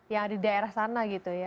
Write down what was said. yang di daerah sana gitu ya